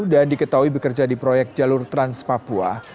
dan diketahui bekerja di proyek jalur trans papua